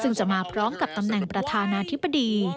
ซึ่งจะมาพร้อมกับตำแหน่งประธานาธิบดี